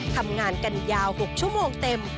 ทำงานกันยาว๖ชั่วโมงเต็ม